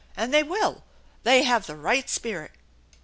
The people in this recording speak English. And they will. They have the right spirit.